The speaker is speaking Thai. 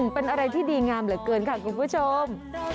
เป็นอะไรที่ดีงามเหลือเกินค่ะคุณผู้ชม